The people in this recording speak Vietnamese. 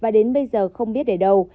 và đến bây giờ không biết để đâu